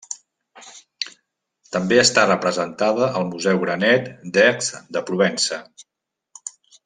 També està representada al Museu Granet d'Ais de Provença.